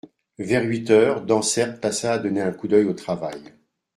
Vers huit heures, Dansaert passa donner un coup d'oeil au travail.